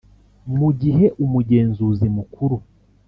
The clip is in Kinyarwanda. Mu gihe Umugenzuzi Mukuru